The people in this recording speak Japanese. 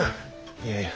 いやいや。